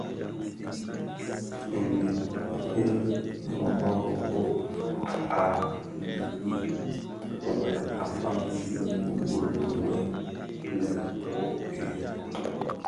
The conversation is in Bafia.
Ndhi i Mbhöbhög a ndhami wuèl a faňi bi gul nwe lè: wuodhi yèn !